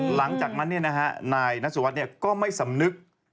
หลังจากนั้นนายนัสสุวัสดิ์ก็ไม่สำนึก